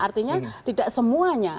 artinya tidak semuanya